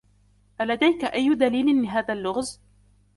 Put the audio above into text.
ألديك أي دليل لهذا اللغز؟